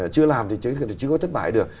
chưa làm thì chưa có thất bại được